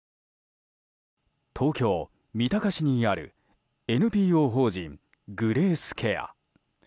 東京・三鷹市にあるＮＰＯ法人グレースケア。